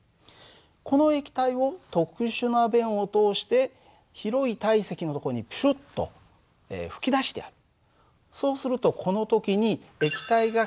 この液体を特殊な弁を通して広い体積のところにプシュッと吹き出してやる。